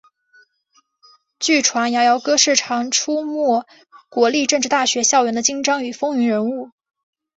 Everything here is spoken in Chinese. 据传摇摇哥是常出没国立政治大学校园的精障与风云人物。